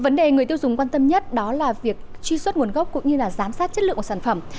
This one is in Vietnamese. vấn đề người tiêu dùng quan tâm nhất đó là việc truy xuất nguồn gốc cũng như giám sát chất lượng của sản phẩm